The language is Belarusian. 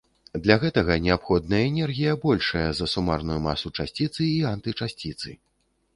Для гэтага неабходна энергія, большая за сумарную масу часціцы і антычасціцы.